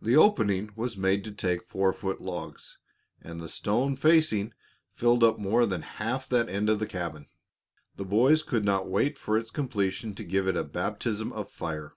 The opening was made to take four foot logs, and the stone facing filled up more than half that end of the cabin. The boys could not wait for its completion to give it a baptism of fire.